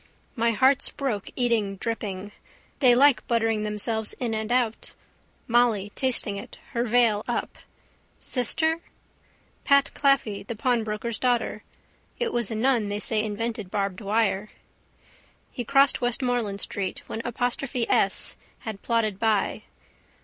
My heart's broke eating dripping. They like buttering themselves in and out. Molly tasting it, her veil up. Sister? Pat Claffey, the pawnbroker's daughter. It was a nun they say invented barbed wire. He crossed Westmoreland street when apostrophe S had plodded by.